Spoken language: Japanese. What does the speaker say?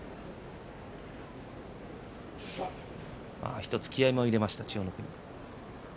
１つ気合いが入りました千代の国です。